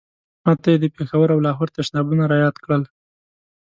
ما ته یې د پېښور او لاهور تشنابونه را یاد کړل.